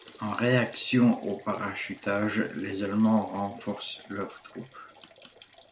En réaction au parachutage, les Allemands renforcent leurs troupes.